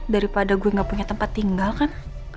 daripada gue gak punya tempat tinggal kan